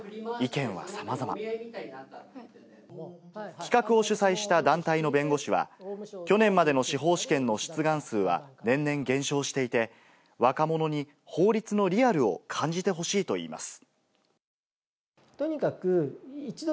企画を主催した団体の弁護士は、去年までの司法試験の出願数は年々減少していて、若者に法律のリアルを感じてほしいといいます。